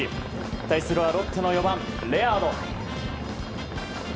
対するはロッテの４番、レアード。